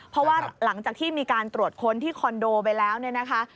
เพราะว่าหลังจากที่มีการตรวจค้นที่คอนโดไปแล้วเนี่ยนะคะ